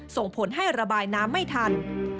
ส่งผลให้ระบายน้ำไม่ทัน